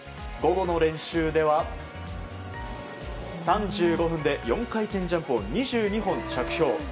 午後の練習では３５分で４回転ジャンプを２２本着氷。